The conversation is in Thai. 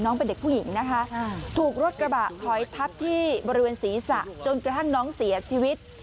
เป็นเด็กผู้หญิงนะคะถูกรถกระบะถอยทับที่บริเวณศีรษะจนกระทั่งน้องเสียชีวิต